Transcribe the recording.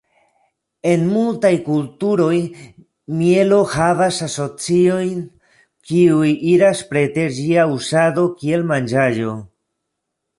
En multaj kulturoj, mielo havas asociojn kiuj iras preter ĝia uzado kiel manĝaĵo.